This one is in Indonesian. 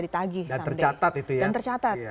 ditagi dan tercatat itu ya